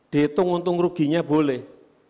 dihitung untung ruginya boleh